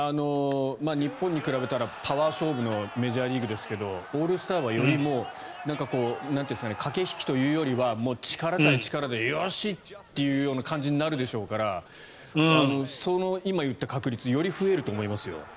日本に比べたらパワー勝負のメジャーリーグですけどオールスターはより駆け引きというよりは力対力で、よしという感じになるでしょうから今言った確率より増えると思いますよ。